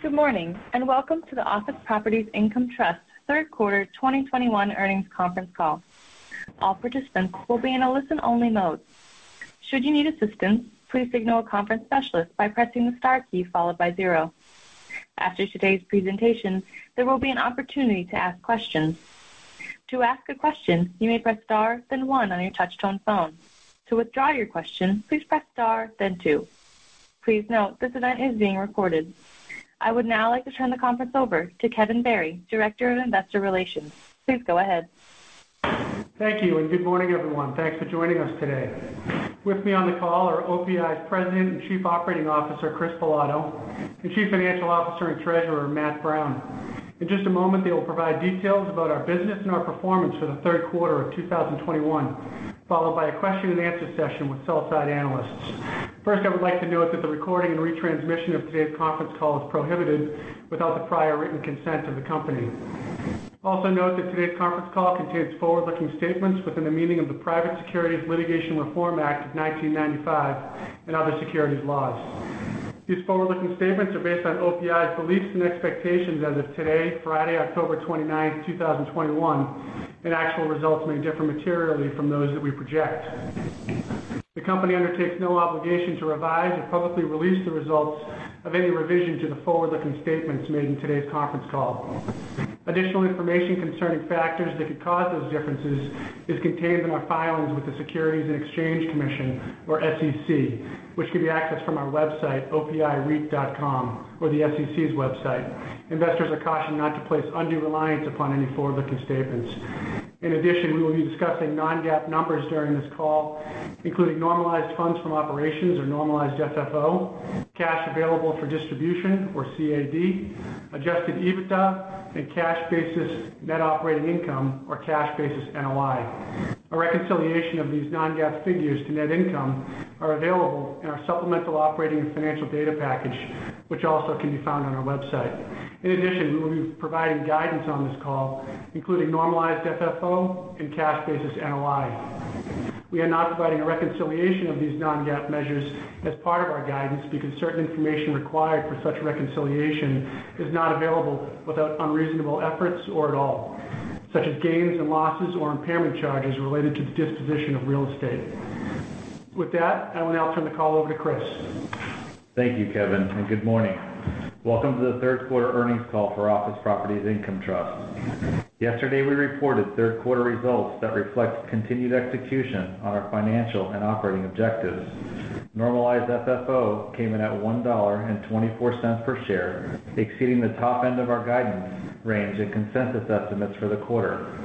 Good morning, and welcome to the Office Properties Income Trust third quarter 2021 earnings conference call. All participants will be in a listen-only mode. Should you need assistance, please signal a conference specialist by pressing the star key followed by zero. After today's presentation, there will be an opportunity to ask questions. To ask a question, you may press star then one on your touch-tone phone. To withdraw your question, please press star then two. Please note, this event is being recorded. I would now like to turn the conference over to Kevin Barry, Director of Investor Relations. Please go ahead. Thank you, and good morning, everyone. Thanks for joining us today. With me on the call are OPI's President and Chief Operating Officer, Chris Bilotto, and Chief Financial Officer and Treasurer, Matt Brown. In just a moment, they will provide details about our business and our performance for the third quarter of 2021, followed by a question-and-answer session with sell-side analysts. First, I would like to note that the recording and retransmission of today's conference call is prohibited without the prior written consent of the company. Also note that today's conference call contains forward-looking statements within the meaning of the Private Securities Litigation Reform Act of 1995 and other securities laws. These forward-looking statements are based on OPI's beliefs and expectations as of today, Friday, October 29, 2021, and actual results may differ materially from those that we project. The company undertakes no obligation to revise or publicly release the results of any revision to the forward-looking statements made in today's conference call. Additional information concerning factors that could cause those differences is contained in our filings with the Securities and Exchange Commission, or SEC, which can be accessed from our website, opireit.com, or the SEC's website. Investors are cautioned not to place undue reliance upon any forward-looking statements. In addition, we will be discussing non-GAAP numbers during this call, including normalized funds from operations or normalized FFO, cash available for distribution or CAD, adjusted EBITDA and cash basis net operating income or cash basis NOI. A reconciliation of these non-GAAP figures to net income are available in our supplemental operating and financial data package, which also can be found on our website. In addition, we will be providing guidance on this call, including normalized FFO and cash basis NOI. We are not providing a reconciliation of these non-GAAP measures as part of our guidance because certain information required for such reconciliation is not available without unreasonable efforts or at all, such as gains and losses or impairment charges related to the disposition of real estate. With that, I will now turn the call over to Chris. Thank you, Kevin, and good morning. Welcome to the third quarter earnings call for Office Properties Income Trust. Yesterday, we reported third quarter results that reflect continued execution on our financial and operating objectives. Normalized FFO came in at $1.24 per share, exceeding the top end of our guidance range and consensus estimates for the quarter.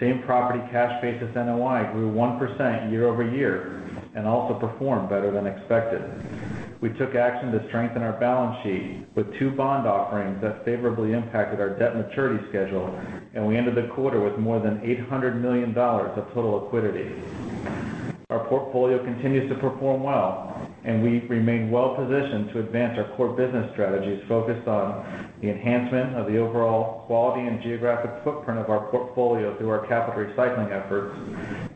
Same-property cash basis NOI grew 1% year-over-year and also performed better than expected. We took action to strengthen our balance sheet with two bond offerings that favorably impacted our debt maturity schedule, and we ended the quarter with more than $800 million of total liquidity. Our portfolio continues to perform well, and we remain well-positioned to advance our core business strategies focused on the enhancement of the overall quality and geographic footprint of our portfolio through our capital recycling efforts,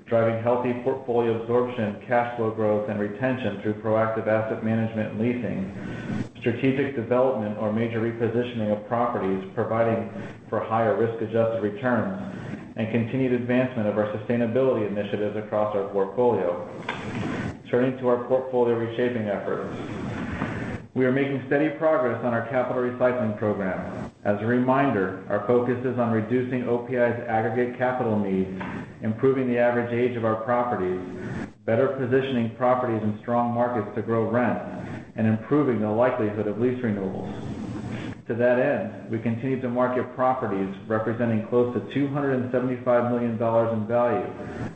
driving healthy portfolio absorption, cash flow growth and retention through proactive asset management and leasing, strategic development or major repositioning of properties providing for higher risk-adjusted returns and continued advancement of our sustainability initiatives across our portfolio. Turning to our portfolio reshaping efforts. We are making steady progress on our capital recycling program. As a reminder, our focus is on reducing OPI's aggregate capital needs, improving the average age of our properties, better positioning properties in strong markets to grow rents, and improving the likelihood of lease renewals. To that end, we continue to market properties representing close to $275 million in value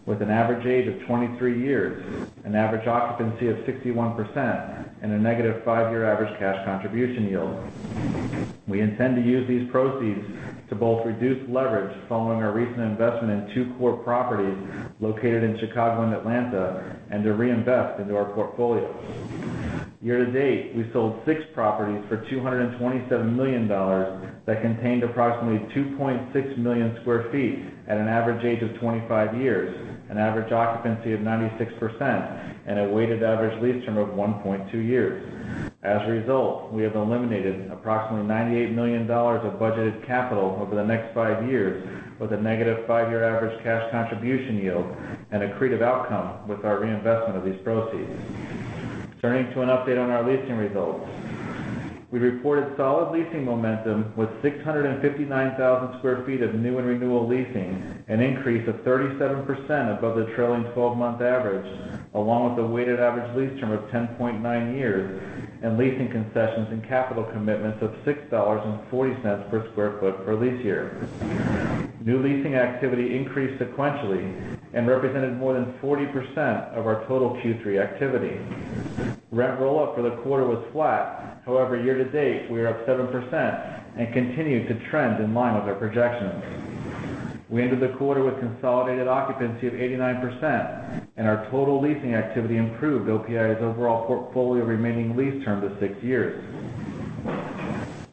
with an average age of 23 years, an average occupancy of 61% and a negative five-year average cash contribution yield. We intend to use these proceeds to both reduce leverage following our recent investment in two core properties located in Chicago and Atlanta and to reinvest into our portfolio. Year-to-date, we sold six properties for $227 million that contained approximately 2.6 million sq ft at an average age of 25 years, an average occupancy of 96% and a weighted average lease term of 1.2 years. As a result, we have eliminated approximately $98 million of budgeted capital over the next five years with a negative five-year average cash contribution yield and accretive outcome with our reinvestment of these proceeds. Turning to an update on our leasing results. We reported solid leasing momentum with 659,000 sq ft of new and renewal leasing, an increase of 37% above the trailing 12-month average, along with a weighted average lease term of 10.9 years and leasing concessions and capital commitments of $6.40 per sq ft per lease year. New leasing activity increased sequentially and represented more than 40% of our total Q3 activity. Rent roll up for the quarter was flat. However, year-to-date, we are up 7% and continue to trend in line with our projections. We ended the quarter with consolidated occupancy of 89% and our total leasing activity improved OPI's overall portfolio remaining lease term to six years.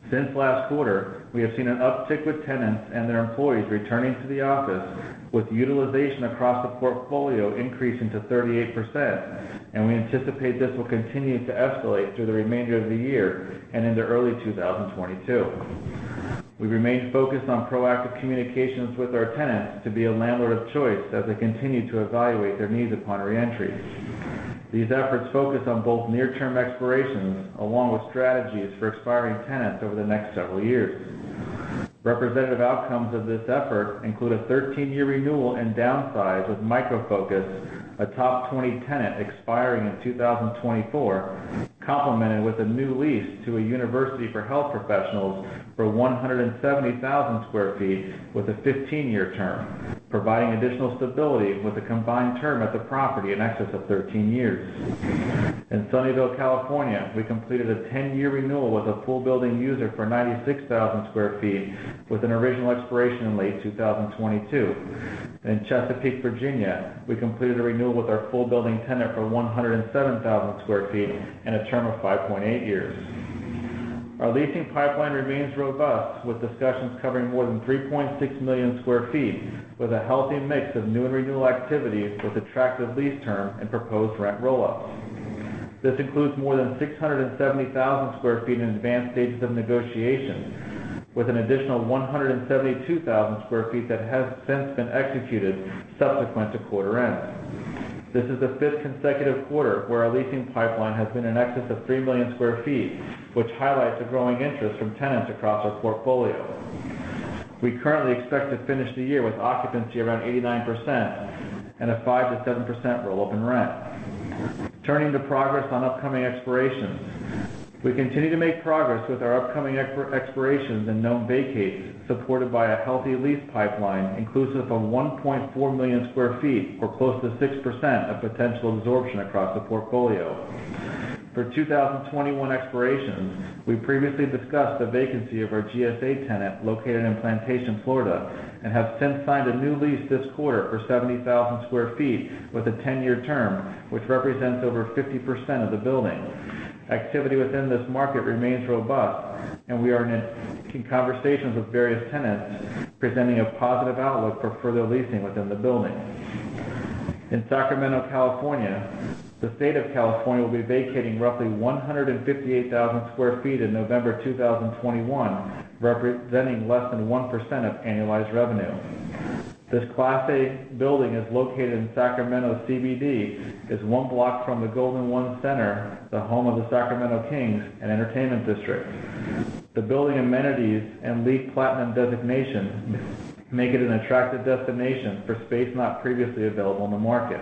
Since last quarter, we have seen an uptick with tenants and their employees returning to the office, with utilization across the portfolio increasing to 38%, and we anticipate this will continue to escalate through the remainder of the year and into early 2022. We remain focused on proactive communications with our tenants to be a landlord of choice as they continue to evaluate their needs upon reentry. These efforts focus on both near-term expirations along with strategies for expiring tenants over the next several years. Representative outcomes of this effort include a 13-year renewal and downsize of Micro Focus, a top 20 tenant expiring in 2024, complemented with a new lease to a university for health professionals for 170,000 sq ft with a 15-year term, providing additional stability with a combined term at the property in excess of 13 years. In Sunnyvale, California, we completed a 10-year renewal with a full building user for 96,000 sq ft with an original expiration in late 2022. In Chesapeake, Virginia, we completed a renewal with our full building tenant for 107,000 sq ft and a term of 5.8 years. Our leasing pipeline remains robust, with discussions covering more than 3.6 million sq ft, with a healthy mix of new and renewal activities with attractive lease terms and proposed rent roll-ups. This includes more than 670,000 sq ft in advanced stages of negotiation, with an additional 172,000 sq ft that has since been executed subsequent to quarter end. This is the fifth consecutive quarter where our leasing pipeline has been in excess of 3 million sq ft, which highlights the growing interest from tenants across our portfolio. We currently expect to finish the year with occupancy around 89% and a 5%-7% roll-up in rent. Turning to progress on upcoming expirations. We continue to make progress with our upcoming expirations and known vacates, supported by a healthy lease pipeline inclusive of 1.4 million sq ft, or close to 6% of potential absorption across the portfolio. For 2021 expirations, we previously discussed the vacancy of our GSA tenant located in Plantation, Florida, and have since signed a new lease this quarter for 70,000 sq ft with a 10-year term, which represents over 50% of the building. Activity within this market remains robust, and we are in conversations with various tenants presenting a positive outlook for further leasing within the building. In Sacramento, California, the state of California will be vacating roughly 158,000 sq ft in November 2021, representing less than 1% of annualized revenue. This Class A building is located in Sacramento CBD, is one block from the Golden 1 Center, the home of the Sacramento Kings and entertainment district. The building amenities and LEED Platinum designation make it an attractive destination for space not previously available in the market.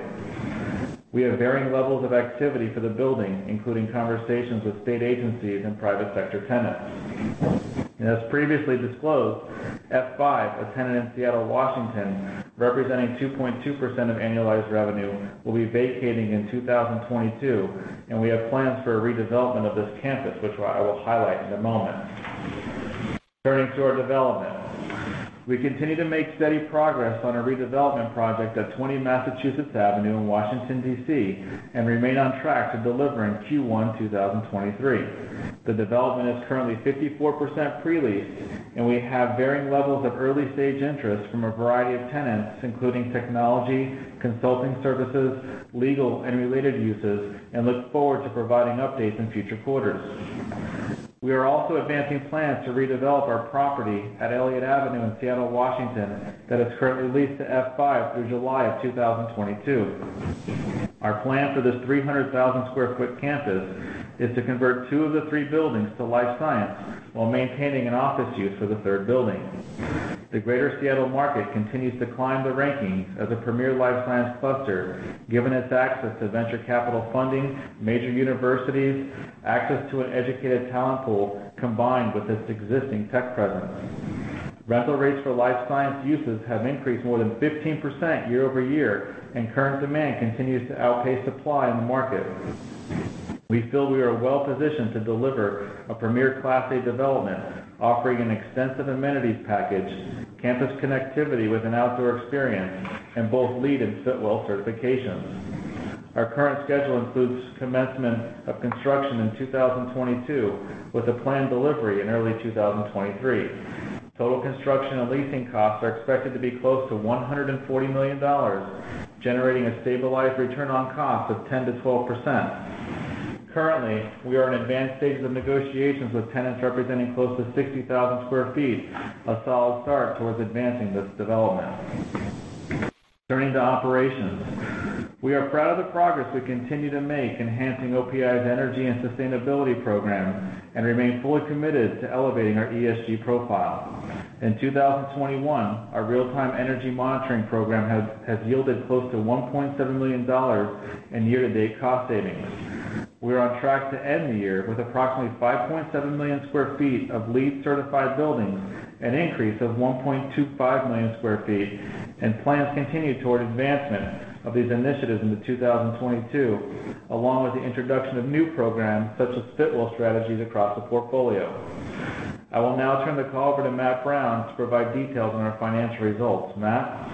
We have varying levels of activity for the building, including conversations with state agencies and private sector tenants. As previously disclosed, F5, a tenant in Seattle, Washington, representing 2.2% of annualized revenue, will be vacating in 2022, and we have plans for a redevelopment of this campus, which I will highlight in a moment. Turning to our development. We continue to make steady progress on our redevelopment project at 20 Massachusetts Avenue in Washington, D.C., and remain on track to deliver in Q1 2023. The development is currently 54% pre-leased, and we have varying levels of early-stage interest from a variety of tenants, including technology, consulting services, legal and related uses, and look forward to providing updates in future quarters. We are also advancing plans to redevelop our property at Elliott Avenue in Seattle, Washington, that is currently leased to F5 through July 2022. Our plan for this 300,000 sq ft campus is to convert two of the three buildings to life science while maintaining an office use for the third building. The Greater Seattle market continues to climb the rankings as a premier life science cluster, given its access to venture capital funding, major universities, access to an educated talent pool, combined with its existing tech presence. Rental rates for life science uses have increased more than 15% year-over-year, and current demand continues to outpace supply in the market. We feel we are well positioned to deliver a premier Class A development, offering an extensive amenities package, campus connectivity with an outdoor experience, and both LEED and Fitwel certifications. Our current schedule includes commencement of construction in 2022, with a planned delivery in early 2023. Total construction and leasing costs are expected to be close to $140 million, generating a stabilized return on cost of 10%-12%. Currently, we are in advanced stages of negotiations with tenants representing close to 60,000 sq ft, a solid start towards advancing this development. Turning to operations. We are proud of the progress we continue to make enhancing OPI's energy and sustainability program and remain fully committed to elevating our ESG profile. In 2021, our real-time energy monitoring program has yielded close to $1.7 million in year-to-date cost savings. We are on track to end the year with approximately 5.7 million sq ft of LEED certified buildings, an increase of 1.25 million sq ft, and plans continue toward advancement of these initiatives into 2022, along with the introduction of new programs such as Fitwel strategies across the portfolio. I will now turn the call over to Matt Brown to provide details on our financial results. Matt?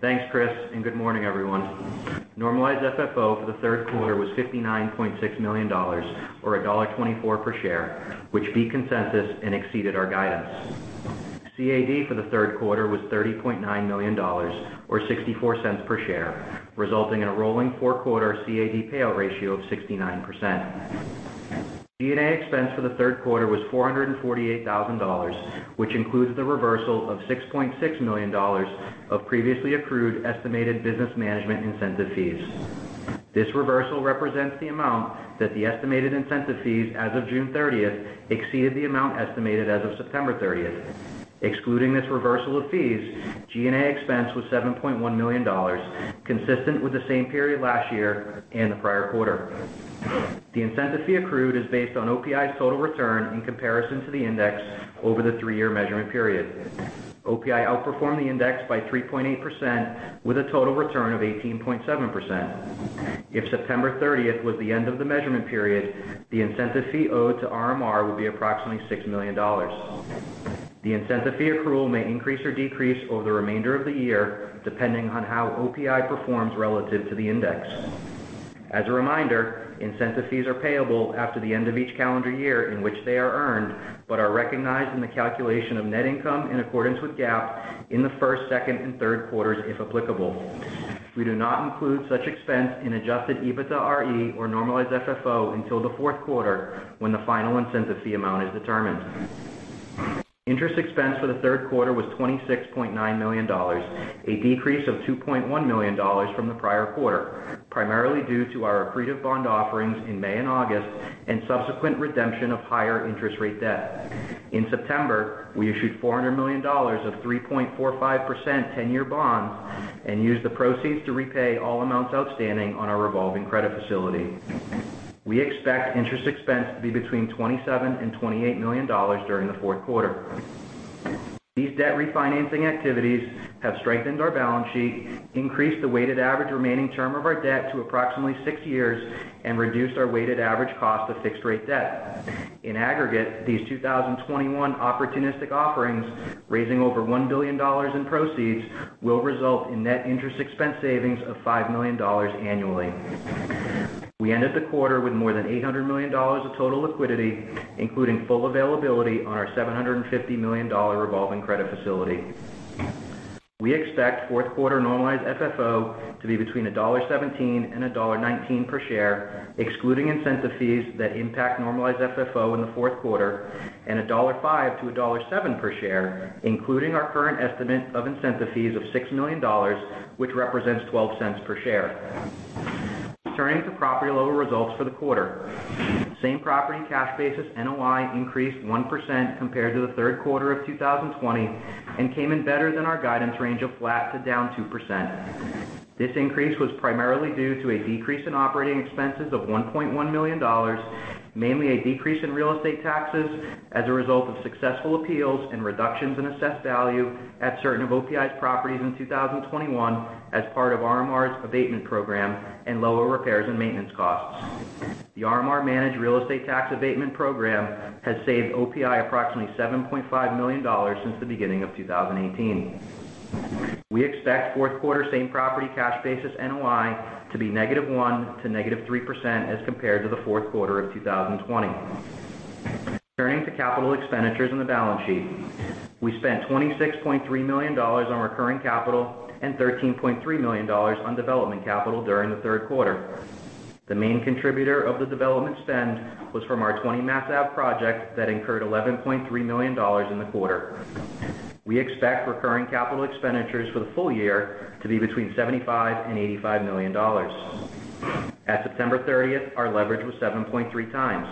Thanks, Chris, and good morning, everyone. Normalized FFO for the third quarter was $59.6 million or $1.24 per share, which beat consensus and exceeded our guidance. CAD for the third quarter was $30.9 million, or $0.64 per share, resulting in a rolling four-quarter CAD payout ratio of 69%. G&A expense for the third quarter was $448,000, which includes the reversal of $6.6 million of previously accrued estimated business management incentive fees. This reversal represents the amount that the estimated incentive fees as of June 30 exceeded the amount estimated as of September 30. Excluding this reversal of fees, G&A expense was $7.1 million, consistent with the same period last year and the prior quarter. The incentive fee accrued is based on OPI's total return in comparison to the index over the three-year measurement period. OPI outperformed the index by 3.8% with a total return of 18.7%. If September 30th was the end of the measurement period, the incentive fee owed to RMR would be approximately $6 million. The incentive fee accrual may increase or decrease over the remainder of the year, depending on how OPI performs relative to the index. As a reminder, incentive fees are payable after the end of each calendar year in which they are earned, but are recognized in the calculation of net income in accordance with GAAP in the first, second, and third quarters, if applicable. We do not include such expense in Adjusted EBITDAre or normalized FFO until the fourth quarter when the final incentive fee amount is determined. Interest expense for the third quarter was $26.9 million, a decrease of $2.1 million from the prior quarter, primarily due to our accretive bond offerings in May and August and subsequent redemption of higher interest rate debt. In September, we issued $400 million of 3.45% 10-year bonds and used the proceeds to repay all amounts outstanding on our revolving credit facility. We expect interest expense to be between $27 million and $28 million during the fourth quarter. These debt refinancing activities have strengthened our balance sheet, increased the weighted average remaining term of our debt to approximately six years, and reduced our weighted average cost of fixed rate debt. In aggregate, these 2021 opportunistic offerings, raising over $1 billion in proceeds, will result in net interest expense savings of $5 million annually. We ended the quarter with more than $800 million of total liquidity, including full availability on our $750 million revolving credit facility. We expect fourth quarter normalized FFO to be between $1.17 and $1.19 per share, excluding incentive fees that impact normalized FFO in the fourth quarter, and $1.05-$1.07 per share, including our current estimate of incentive fees of $6 million, which represents $0.12 per share. Turning to property level results for the quarter. Same property cash basis NOI increased 1% compared to the third quarter of 2020 and came in better than our guidance range of flat to down 2%. This increase was primarily due to a decrease in operating expenses of $1.1 million, mainly a decrease in real estate taxes as a result of successful appeals and reductions in assessed value at certain of OPI's properties in 2021 as part of RMR's abatement program and lower repairs and maintenance costs. The RMR Managed Real Estate Tax Abatement program has saved OPI approximately $7.5 million since the beginning of 2018. We expect fourth-quarter same-property cash basis NOI to be -1% to -3% as compared to the fourth quarter of 2020. Turning to capital expenditures on the balance sheet. We spent $26.3 million on recurring capital and $13.3 million on development capital during the third quarter. The main contributor of the development spend was from our Twenty Mass Ave project that incurred $11.3 million in the quarter. We expect recurring capital expenditures for the full year to be between $75 million and $85 million. At September 30th, our leverage was 7.3 times.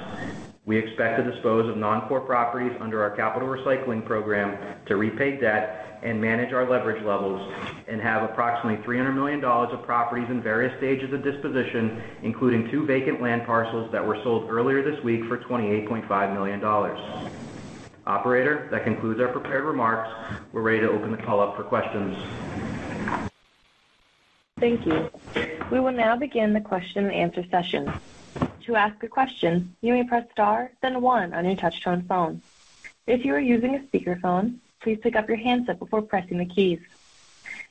We expect to dispose of non-core properties under our capital recycling program to repay debt and manage our leverage levels and have approximately $300 million of properties in various stages of disposition, including two vacant land parcels that were sold earlier this week for $28.5 million. Operator, that concludes our prepared remarks. We're ready to open the call up for questions. Thank you. We will now begin the question and answer session. To ask a question, you may press Star, then one on your touchtone phone. If you are using a speakerphone, please pick up your handset before pressing the keys.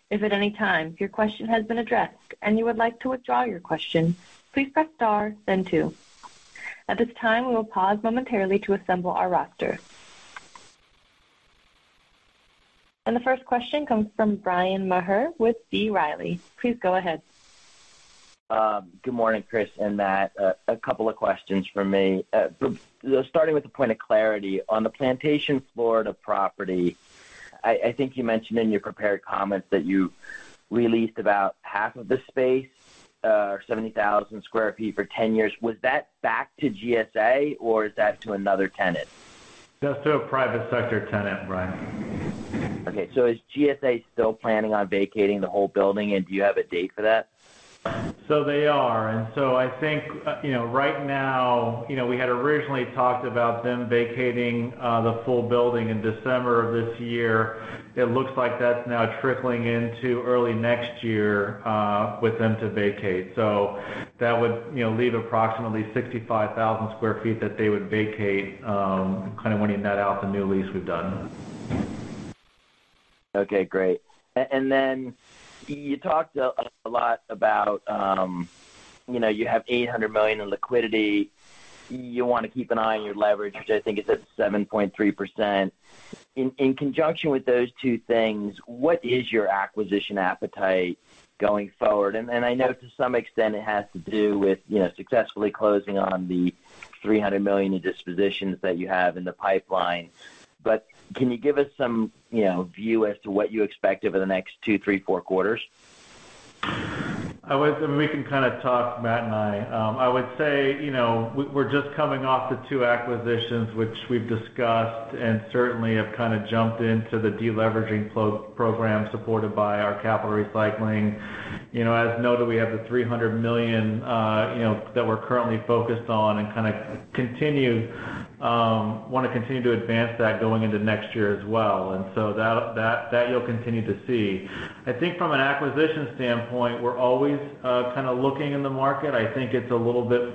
If at any time your question has been addressed and you would like to withdraw your question, please press Star then two. At this time, we will pause momentarily to assemble our roster. The first question comes from Bryan Maher with B. Riley. Please go ahead. Good morning, Chris and Matt. A couple of questions from me. So starting with the point of clarity, on the Plantation, Florida property, I think you mentioned in your prepared comments that you released about half of the space, 70,000 sq ft for 10 years. Was that back to GSA or is that to another tenant? That's to a private sector tenant, Bryan. Okay. Is GSA still planning on vacating the whole building and do you have a date for that? They are. I think, you know, right now. You know, we had originally talked about them vacating the full building in December of this year. It looks like that's now trickling into early next year with them to vacate. That would, you know, leave approximately 65,000 sq ft that they would vacate, kind of when you net out the new lease we've done. Okay, great. Then you talked a lot about, you know, you have $800 million in liquidity. You want to keep an eye on your leverage, which I think is at 7.3%. In conjunction with those two things, what is your acquisition appetite going forward? I know to some extent it has to do with, you know, successfully closing on the $300 million in dispositions that you have in the pipeline. But can you give us some, you know, view as to what you expect over the next two, three, four quarters? We can kind of talk, Matt and I. I would say, you know, we're just coming off the two acquisitions, which we've discussed and certainly have kind of jumped into the deleveraging program supported by our capital recycling. You know, as noted, we have the $300 million that we're currently focused on and want to continue to advance that going into next year as well. That you'll continue to see. I think from an acquisition standpoint, we're always kind of looking in the market. I think it's a little bit,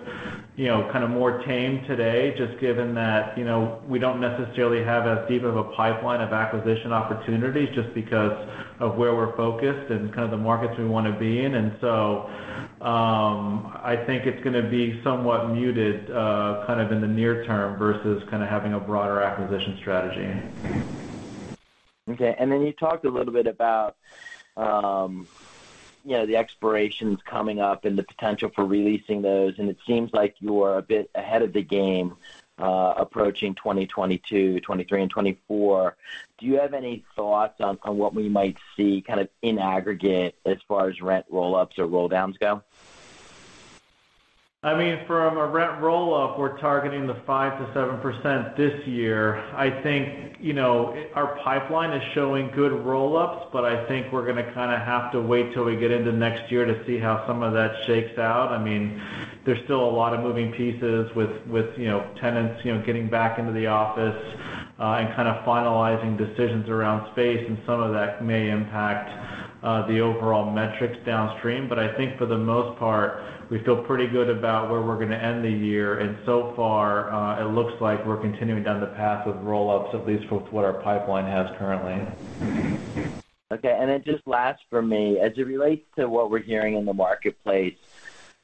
you know, kind of more tame today just given that, you know, we don't necessarily have as deep of a pipeline of acquisition opportunities just because of where we're focused and kind of the markets we want to be in. I think it's gonna be somewhat muted, kind of in the near term versus kind of having a broader acquisition strategy. Okay. You talked a little bit about, you know, the expirations coming up and the potential for releasing those, and it seems like you're a bit ahead of the game, approaching 2022, 2023 and 2024. Do you have any thoughts on what we might see kind of in aggregate as far as rent roll-ups or roll-downs go? I mean, from a rent roll-up, we're targeting 5%-7% this year. I think, you know, our pipeline is showing good roll-ups, but I think we're gonna kind of have to wait till we get into next year to see how some of that shakes out. I mean, there's still a lot of moving pieces with, you know, tenants, you know, getting back into the office, and kind of finalizing decisions around space, and some of that may impact, the overall metrics downstream. But I think for the most part, we feel pretty good about where we're gonna end the year. So far, it looks like we're continuing down the path of roll-ups, at least with what our pipeline has currently. Okay. Then just last for me, as it relates to what we're hearing in the marketplace,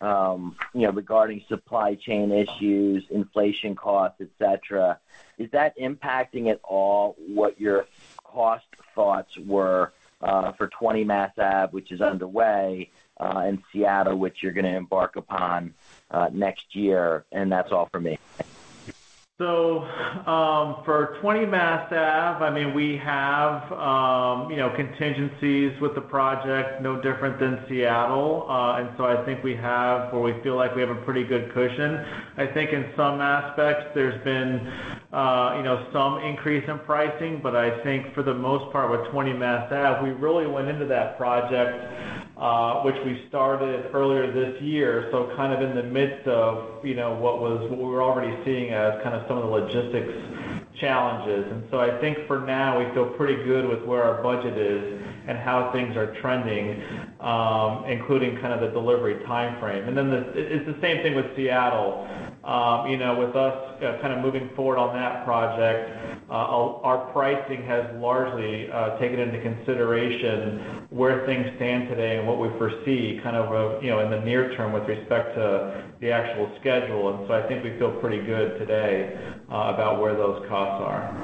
you know, regarding supply chain issues, inflation costs, et cetera, is that impacting at all what your cost thoughts were, for 20 Mass Ave, which is underway, in Seattle, which you're gonna embark upon, next year? That's all for me. For 20 Mass Ave, I mean, we have, you know, contingencies with the project, no different than Seattle. I think we have or we feel like we have a pretty good cushion. I think in some aspects there's been, you know, some increase in pricing. I think for the most part with 20 Mass Ave, we really went into that project, which we started earlier this year, so kind of in the midst of, you know, what we were already seeing as kind of some of the logistics challenges. I think for now, we feel pretty good with where our budget is and how things are trending, including kind of the delivery timeframe. It's the same thing with Seattle. You know, with us kind of moving forward on that project, our pricing has largely taken into consideration where things stand today and what we foresee kind of, you know, in the near term with respect to the actual schedule. I think we feel pretty good today about where those costs are.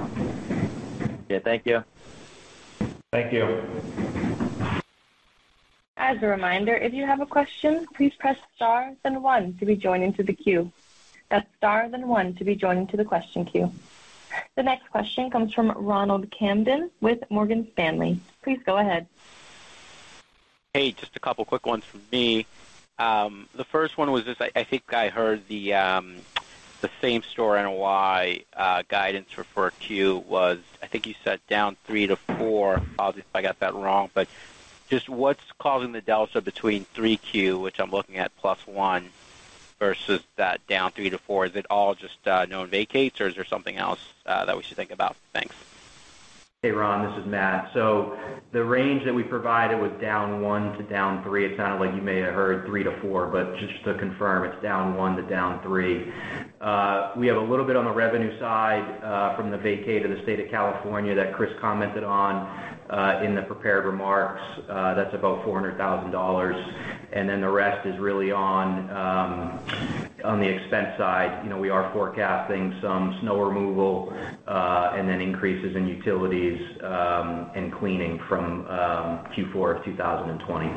Okay. Thank you. Thank you. As a reminder, if you have a question, please press Star then One to be joined into the queue. That's Star then One to be joined into the question queue. The next question comes from Ronald Kamdem with Morgan Stanley. Please go ahead. Hey, just a couple quick ones from me. The first one was this. I think I heard the same store NOI guidance for Q was. I think you said down 3%-4%. Apologies if I got that wrong. Just what's causing the delta between 3Q, which I'm looking at +1%, versus that down 3%-4%. Is it all just known vacates, or is there something else that we should think about? Thanks. Hey, Ron, this is Matt. The range that we provided was down 1%-3%. It sounded like you may have heard 3%-4%, but just to confirm, it's down 1%-3%. We have a little bit on the revenue side from the vacate of the state of California that Chris commented on in the prepared remarks. That's about $400,000. The rest is really on the expense side. You know, we are forecasting some snow removal and then increases in utilities and cleaning from Q4 of 2020.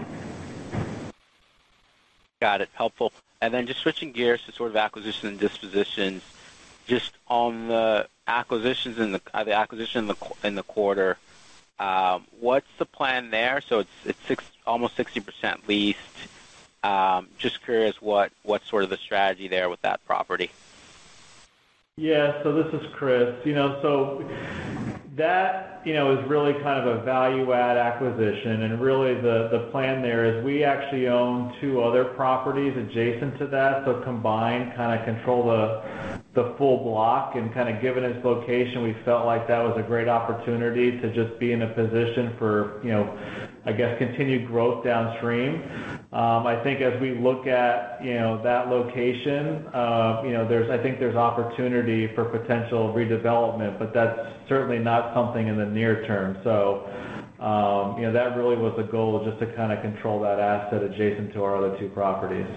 Got it. Helpful. Just switching gears to sort of acquisition and dispositions. Just on the acquisitions in the quarter, the acquisition in the quarter, what's the plan there? It's almost 60% leased. Just curious what's sort of the strategy there with that property? Yeah. This is Chris. You know, that, you know, is really kind of a value add acquisition. Really the plan there is we actually own two other properties adjacent to that. Combined kind of control the full block. Kind of given its location, we felt like that was a great opportunity to just be in a position for, you know, I guess, continued growth downstream. I think as we look at, you know, that location, you know, I think there's opportunity for potential redevelopment, but that's certainly not something in the near term. You know, that really was the goal, just to kind of control that asset adjacent to our other two properties.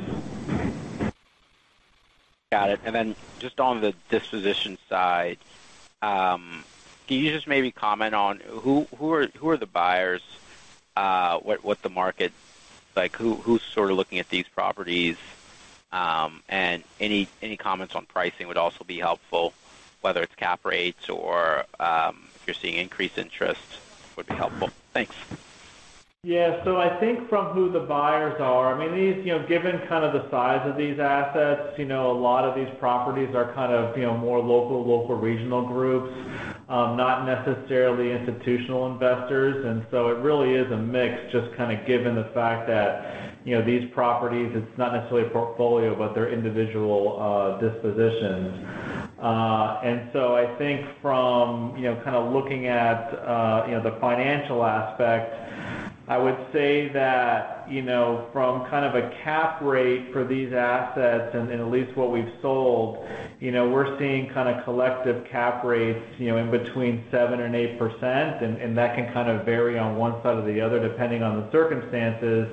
Got it. Just on the disposition side, can you just maybe comment on who are the buyers? What the market's like, who's sort of looking at these properties? Any comments on pricing would also be helpful, whether it's cap rates or if you're seeing increased interest would be helpful. Thanks. Yeah. I think from who the buyers are, I mean, these, you know, given kind of the size of these assets, you know, a lot of these properties are kind of, you know, more local regional groups, not necessarily institutional investors. It really is a mix, just kind of given the fact that, you know, these properties, it's not necessarily a portfolio, but they're individual dispositions. I think from, you know, kind of looking at, you know, the financial aspect, I would say that, you know, from kind of a cap rate for these assets and at least what we've sold, you know, we're seeing kind of collective cap rates, you know, in between 7%-8%. And that can kind of vary on one side or the other depending on the circumstances.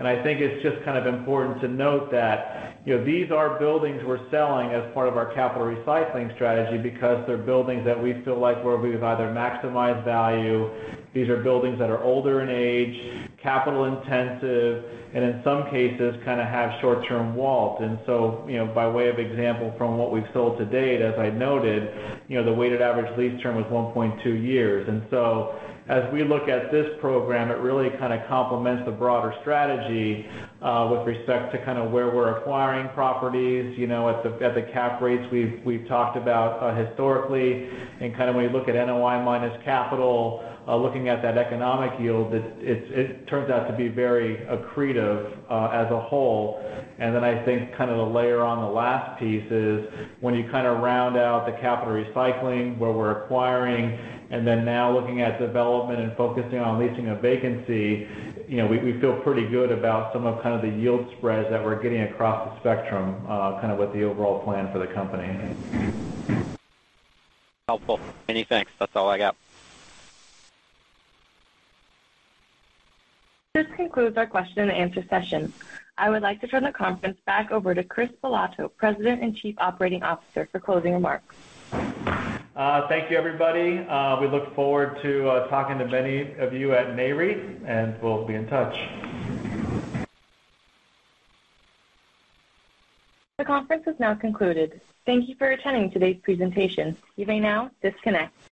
I think it's just kind of important to note that, you know, these are buildings we're selling as part of our capital recycling strategy because they're buildings that we feel like where we've either maximized value. These are buildings that are older in age, capital intensive, and in some cases kind of have short-term leases. By way of example, from what we've sold to date, as I noted, you know, the weighted average lease term was 1.2 years. As we look at this program, it really kind of complements the broader strategy with respect to kind of where we're acquiring properties, you know, at the cap rates we've talked about historically. Kind of when you look at NOI minus capital, looking at that economic yield, it turns out to be very accretive, as a whole. Then I think kind of the layer on the last piece is when you kind of round out the capital recycling where we're acquiring and then now looking at development and focusing on leasing a vacancy, you know, we feel pretty good about some of kind of the yield spreads that we're getting across the spectrum, kind of with the overall plan for the company. Helpful. Many thanks. That's all I got. This concludes our question and answer session. I would like to turn the conference back over to Chris Bilotto, President and Chief Operating Officer, for closing remarks. Thank you, everybody. We look forward to talking to many of you at NAREIT, and we'll be in touch. The conference is now concluded. Thank you for attending today's presentation. You may now disconnect.